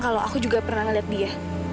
kalau aku juga pernah ngeliat dia